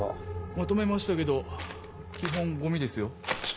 まとめましたけど基本ゴミですよ。